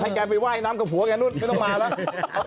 ให้แกไปว่ายให้น้ำกับผัวของแนนุ่นไม่ต้องมาแล้ว